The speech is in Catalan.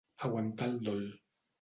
Aguantar el dol.